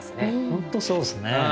本当そうですね。